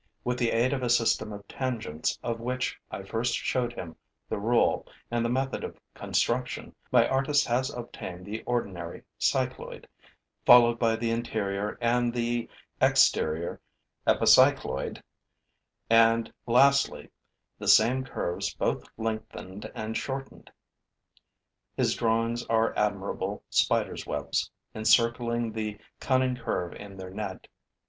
With the aid of a system of tangents of which I first showed him the rule and the method of construction, my artist has obtained the ordinary cycloid, followed by the interior and the exterior epicycloid and, lastly, the same curves both lengthened and shortened. His drawings are admirable Spider's webs, encircling the cunning curve in their net.